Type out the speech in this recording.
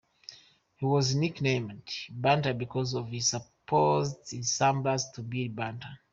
He was nicknamed "Bunter" because of his supposed resemblance to Billy Bunter.